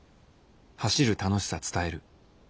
走る楽しさ伝える。